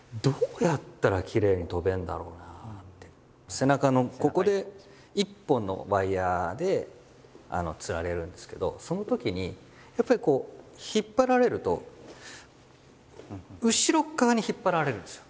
背中のここで一本のワイヤーでつられるんですけどそのときにやっぱりこう引っ張られると後ろ側に引っ張られるんですよ